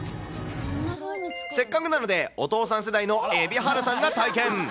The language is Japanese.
せっかくなので、お父さん世代の蛯原さんが体験。